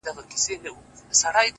چا ويل ډېره سوخي كوي؛